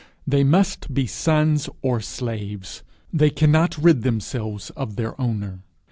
They must be sons or slaves. They cannot rid themselves of their owner.